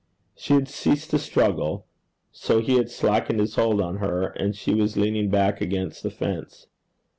She had ceased to struggle, so he had slackened his hold of her, and she was leaning back against the fence.